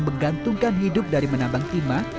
menggantungkan hidup dari menambang timah